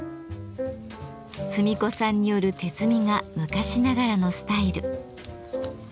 摘み子さんによる手摘みが昔ながらのスタイル。